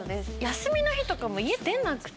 休みの日とかも家出なくて。